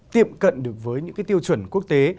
tiệm cận được với những cái tiêu chuẩn quốc tế